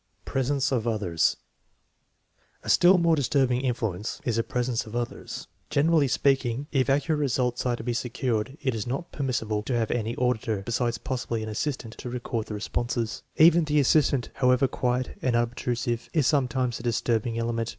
Presence of others. A still more disturbing influence is the presence of other persons. Generally speaking, if ac curate results are to be secured it is not permissible to have any auditor, besides possibly an assistant to record the responses. Even the assistant, however quiet and unob trusive, is sometimes a disturbing element.